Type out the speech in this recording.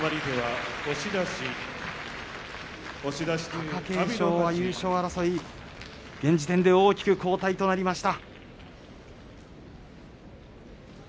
貴景勝は優勝争い現時点では大きく後退となりました。